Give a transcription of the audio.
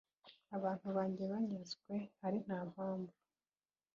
abantu banjye banyazwe ari nta mpamvu